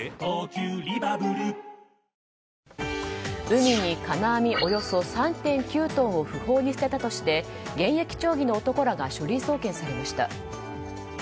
海に金網およそ３．９トンを不法に捨てたとして現役町議の男らが書類送検されました。